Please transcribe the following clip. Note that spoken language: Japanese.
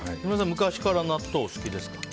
昔から納豆お好きですか？